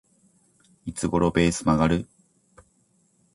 いつ頃ベース曲がる？